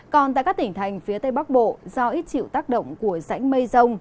còn tại các tỉnh thành phía tây bắc bộ do ít chịu tác động của rãnh mây rông